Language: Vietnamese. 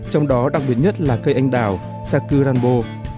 trong đó đặc biệt nhất là cây anh đào sakuranbo